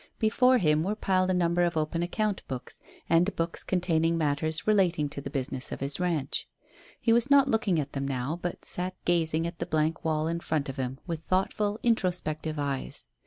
Before him were piled a number of open account books, and books containing matters relating to the business of his ranch. He was not looking at them now, but sat gazing at the blank wall in front of him with thoughtful, introspective eyes.